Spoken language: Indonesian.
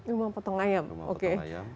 rumah potong ayam oke